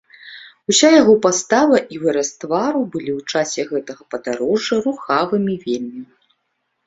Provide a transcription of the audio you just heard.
Уся яго пастава і выраз твару былі ў часе гэтага падарожжа рухавымі вельмі.